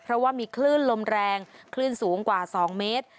เพราะว่ามีคลื่นลมแรงคลื่นสูงกว่า๒เมตร